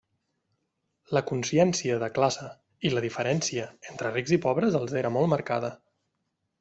La consciència de classe i la diferència entre rics i pobres els era molt marcada.